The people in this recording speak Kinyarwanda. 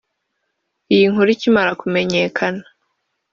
Iyi nkuru ikimara kumenyakana